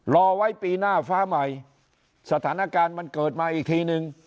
รอไว้ปีหน้าฟ้าใหม่สถานการณ์มันเกิดมาอีกทีนึง